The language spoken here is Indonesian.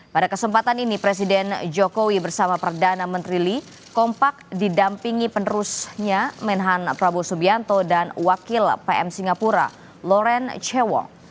pada kesempatan ini presiden jokowi bersama perdana menteri lee kompak didampingi penerusnya menhan prabowo subianto dan wakil pm singapura loren chewong